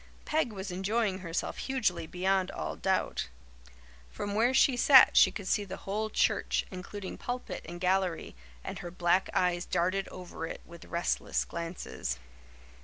Peg was enjoying herself hugely, beyond all doubt. From where she sat she could see the whole church, including pulpit and gallery, and her black eyes darted over it with restless glances.